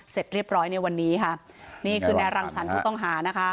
เสร็จเรียบร้อยในวันนี้ค่ะนี่คือนายรังสรรค์ผู้ต้องหานะคะ